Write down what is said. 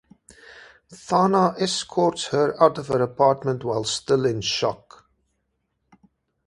Thana escorts her out of her apartment while still in shock.